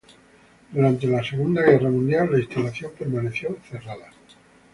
Durante la Segunda Guerra Mundial la instalación permaneció cerrada.